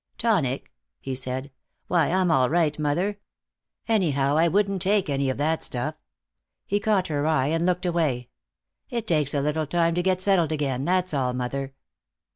"Tonic!" he said. "Why, I'm all right, mother. Anyhow, I wouldn't take any of that stuff." He caught her eye and looked away. "It takes a little time to get settled again, that's all, mother."